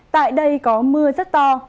tại đây có mưa rất to